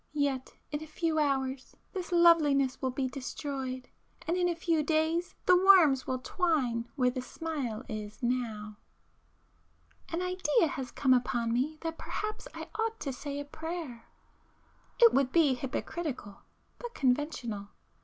Yet in a few hours this loveliness will be destroyed,—and in a few days, the worms will twine where the smile is now! ····· An idea has come upon me that perhaps I ought to say a prayer. It would be hypocritical,—but conventional.